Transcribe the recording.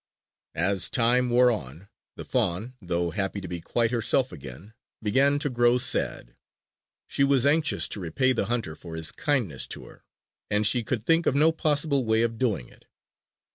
As time wore on, the fawn, though happy to be quite herself again, began to grow sad. She was anxious to repay the hunter for his kindness to her; and she could think of no possible way of doing it.